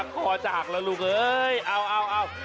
คอจะหักละลูกเอ๊ยเอ้าเอ้าเอา